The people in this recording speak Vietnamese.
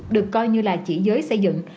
được coi như là chỉ giới xây dựng